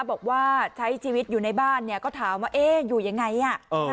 บอกว่าใช้ชีวิตอยู่ในบ้านเนี่ยก็ถามว่าเอ๊ะอยู่ยังไงอ่ะ